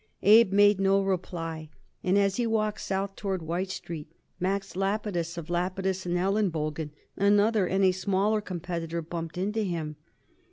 Abe made no reply, and as he walked south toward White Street Max Lapidus, of Lapidus & Elenbogen, another and a smaller competitor, bumped into him.